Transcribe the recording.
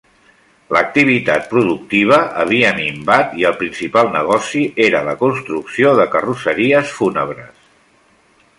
L'activitat productiva havia minvat i el principal negoci era la construcció de carrosseries fúnebres.